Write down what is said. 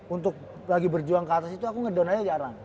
untuk lagi berjuang ke atas itu aku ngedown aja jarang